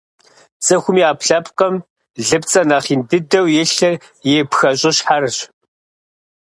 Цӏыхум и ӏэпкълъэпкъым лыпцӏэ нэхъ ин дыдэу илъыр и пхэщӏыщхьэрщ.